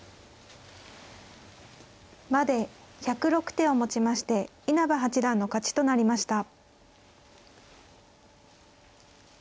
まで１０６手をもちまして稲葉八段の勝ちとなりました。